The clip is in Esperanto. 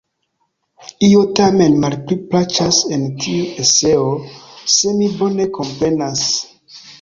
Io tamen malpli plaĉas en tiu eseo, se mi bone komprenas.